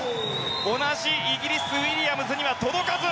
同じイギリスウィリアムズには届かず。